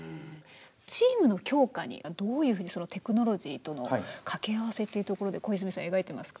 チームの強化にどういうふうにそのテクノロジーとの掛け合わせっていうところで小泉さんは描いてますか？